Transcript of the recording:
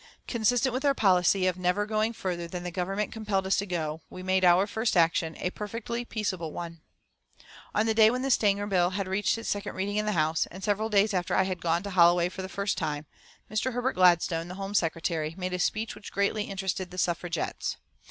Consistent with our policy, of never going further than the Government compelled us to go, we made our first action a perfectly peaceable one. On the day when the Stanger bill had reached its second reading in the House, and several days after I had gone to Holloway for the first time, Mr. Herbert Gladstone, the Home Secretary, made a speech which greatly interested the Suffragettes.